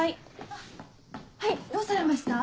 はいどうされました？